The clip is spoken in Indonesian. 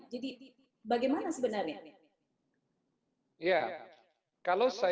jadi bagaimana sebenarnya